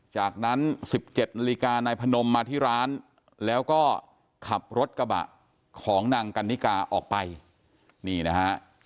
จากนั้น๑๗นาฬิกานายพนมมาที่ร้านแล้วก็ขับรถกระบะของนางกันนิกาออกไปนี่นะฮะ